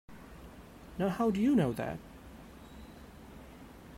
Now how'd you know that?